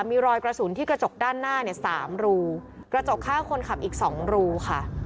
มีรอยกระสุนที่กระจกด้านหน้าเนี่ยสามรูกระจกข้างคนขับอีก๒รูค่ะ